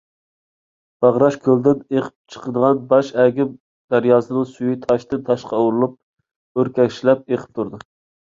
باغراش كۆلىدىن ئىېقىپ چىقىدىغان باش ئەگىم دەرياسىنىڭ سۈيى تاشتىن - تاشقا ئۇرۇلۇپ ئۆركەشلەپ ئىېقىپ تۇرۇدۇ .